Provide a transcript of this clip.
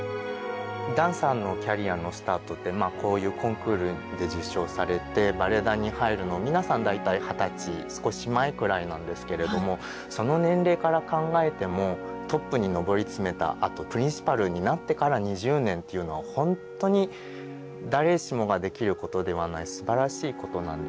ダンサーのキャリアのスタートってまあこういうコンクールで受賞されてバレエ団に入るの皆さん大体二十歳少し前くらいなんですけれどもその年齢から考えてもトップに上り詰めたあとプリンシパルになってから２０年っていうのはほんとに誰しもができることではないすばらしいことなんですね。